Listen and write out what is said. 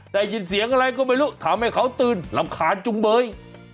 ได้ยินเสียงอะไรก็ไม่รู้ทำให้เขาตื่นรำคาญจุงเบย